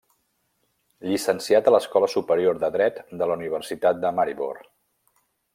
Llicenciat a l'Escola Superior de Dret de la Universitat de Maribor.